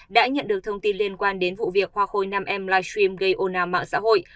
đã nhận được thông tin liên quan đến vụ việc hoa khôi nam em live stream gây ồn ào mạng xã hội